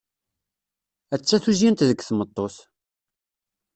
Atta tuzyint deg tmeṭṭut!